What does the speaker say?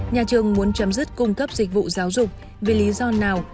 nhà trường muốn chấm dứt cung cấp dịch vụ giáo dục vì lý do nào